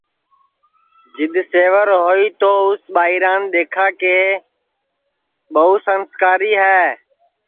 جِدؔ سیور ہوئی تو اُس ٻائران دؔیکھا کہ ٻوان سنٚسکاری ہے